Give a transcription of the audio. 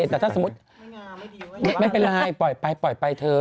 แต่ถ้าสมมติไม่เป็นไรปล่อยไปเธอ